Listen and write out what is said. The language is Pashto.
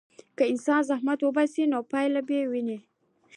که انسان زحمت وباسي، نو پایله به وویني.